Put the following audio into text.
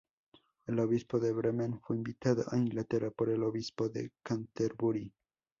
El Obispo de Bremen fue invitado a Inglaterra por el Obispo de Canterbury.